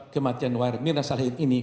kematian mirna salihin ini